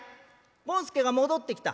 権助が戻ってきた？